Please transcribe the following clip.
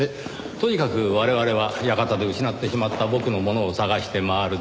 とにかく我々は館で失ってしまった僕の物を探して回るだけ。